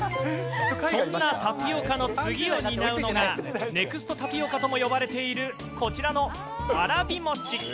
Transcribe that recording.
そんなタピオカの次を担うのが、ＮＥＸＴタピオカともいわれているこちらのわらび餅。